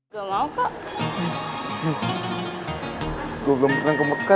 sampai jumpa di video selanjutnya